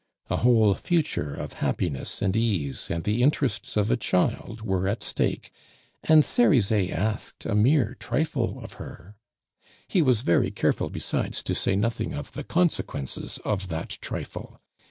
A whole future of happiness and ease and the interests of a child were at stake, and Cerizet asked a mere trifle of her. He was very careful besides to say nothing of the consequences of that trifle.